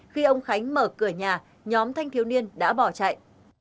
khi ông khánh mở cửa nhà nhóm thanh thiếu niên đã bỏ chạy